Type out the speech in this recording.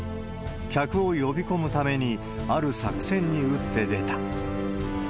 客を呼び込むために、ある作戦に打って出た。